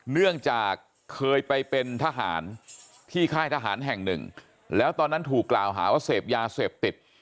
เนื่องจากเคยไปเป็นทหารที่ค่ายทหารแห่งหนึ่งแล้วตอนนั้นถูกกล่าวหาว่าเสพยาเสพติด